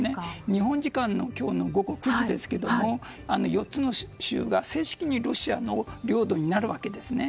日本時間の今日の午後９時ですが４つの州が正式にロシアの領土になるわけですね。